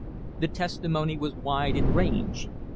The testimony was wide in range.